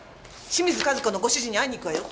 清水和子のご主人に会いに行くわよ。